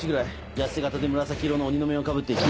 痩せ形で紫色の鬼の面をかぶっていた。